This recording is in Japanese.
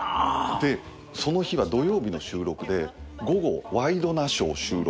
でその日は土曜日の収録で午後『ワイドナショー』収録。